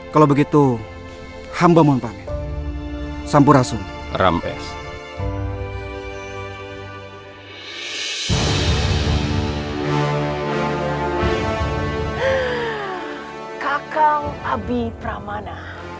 kalau begitu hamba mohon panggil sampurasun rampes kakang abi pramana